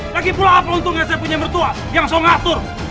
lagi pula apa untungnya saya punya mertua yang saya ngatur